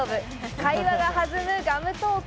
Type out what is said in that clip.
会話が弾むガムトーク。